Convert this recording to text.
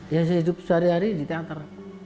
yang saya hidup sehari hari di teater